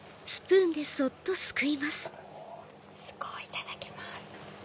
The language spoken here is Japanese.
いただきます。